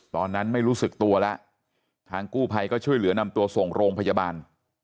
ตอนนั้นไม่รู้สึกตัวแล้วทางกู้ภัยก็ช่วยเหลือนำตัวส่งโรงพยาบาล